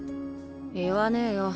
言わねぇよ。